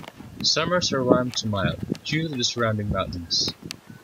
Summers are warm to mild, due to the surrounding mountains.